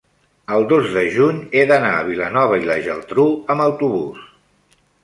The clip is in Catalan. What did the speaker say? el dos de juny he d'anar a Vilanova i la Geltrú amb autobús.